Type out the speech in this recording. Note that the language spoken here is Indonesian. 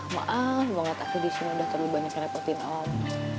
maaf banget aku disini udah terlalu banyak ngerepotin om